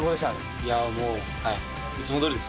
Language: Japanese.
いやもうはいいつもどおりです。